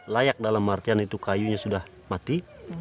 layak dalam artian itu kayunya sudah mati